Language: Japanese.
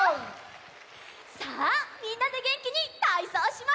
さあみんなでげんきにたいそうしますよ！